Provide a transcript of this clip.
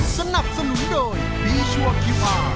สนับสนุนโดยบีชัวร์คิวพา